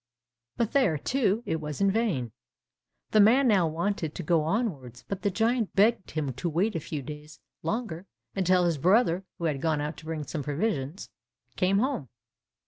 But there, too, it was in vain. The man now wanted to go onwards, but the giant begged him to wait a few days longer until his brother, who had gone out to bring some provisions, came home.